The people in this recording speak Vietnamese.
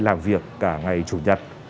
làm việc cả ngày chủ nhật